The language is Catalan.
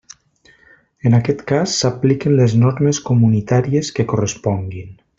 En aquest cas, s'apliquen les normes comunitàries que corresponguin.